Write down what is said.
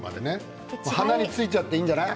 鼻についちゃっていいんじゃない？